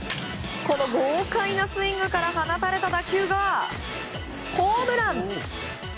更にこの豪快なスイングから放たれた打球がホームラン！